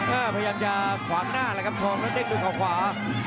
พยายามจะขวางหน้าแล้วครับทองแล้วเด้งด้วยเขาขวา